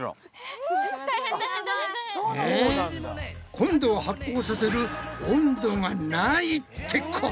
今度は発酵させる温度がないってこと？